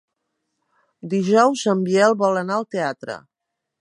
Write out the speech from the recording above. Dijous en Biel vol anar al teatre.